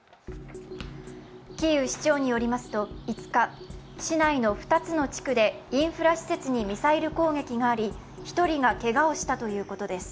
キーウ市長によりますと５日、市内の２つの地区でインフラ施設にミサイル攻撃があり、１人がけがをしたということです。